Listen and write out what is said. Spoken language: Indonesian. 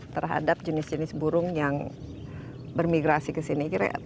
terhadap jenis jenis burung yang bermigrasi ke sini